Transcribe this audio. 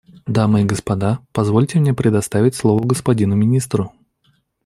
Дамы и господа, позвольте мне предоставить слово господину Министру.